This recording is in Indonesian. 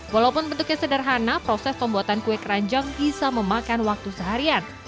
walaupun bentuknya sederhana proses pembuatan kue keranjang bisa memakan waktu seharian